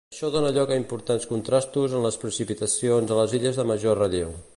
Això dóna lloc a importants contrastos en les precipitacions a les illes de major relleu.